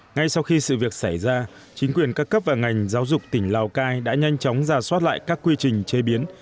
ngay sau khi sự việc xảy ra chính quyền các cấp và ngành giáo dục tỉnh lào cai đã nhanh chóng giả soát lại các quy trình chế biến